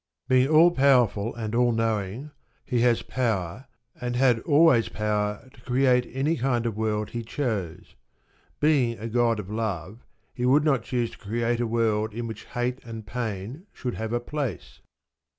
Being All powerful and All knowing, He has power, and had always power, to create any kind of world He chose. Being a God of Love, He would not choose to create a world in which hate and pain should have a place.